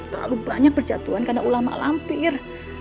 terlalu banyak berjatuhan karena ulama lampir